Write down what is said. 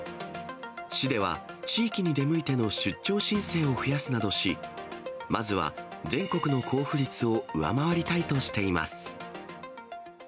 市では、地域に出向いての出張申請を増やすなどし、まずは全国の交付率を上回りたいとしています。